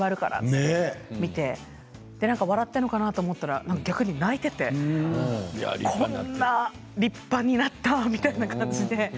それで、笑っているのかなと思って見たら逆に泣いていてこんなに立派になったっていう感じで。